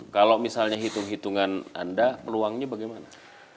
kalau misalnya hitung hitungan anda peluangnya bagaimana